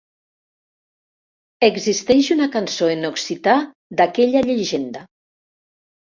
Existeix una cançó en occità d'aquella llegenda.